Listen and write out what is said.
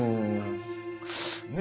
ねえ？